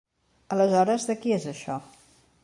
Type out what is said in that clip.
Aleshores, de qui és això?